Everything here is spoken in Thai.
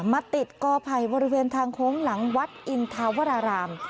มาติดกอไผ่บริเวณทางโค้งหลังวัดอินทาวราราม